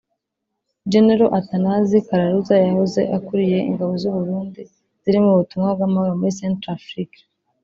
Général Athanase Kararuza yahoze akuriye ingabo z’u Burundi ziri mu butumwa bw’amahoro muri Centrafrique